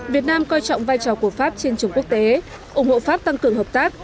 việt nam coi trọng vai trò của pháp trên trường quốc tế ủng hộ pháp tăng cường hợp tác